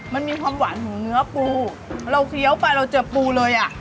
มันมีความหวานของเนื้อปูเราเคี้ยวไปเราเจอปูเลยอ่ะ